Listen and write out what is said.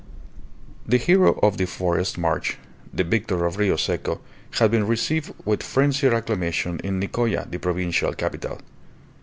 The hero of the forest march, the victor of Rio Seco, had been received with frenzied acclamations in Nicoya, the provincial capital.